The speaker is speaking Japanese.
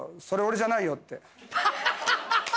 それ、俺じゃないよって。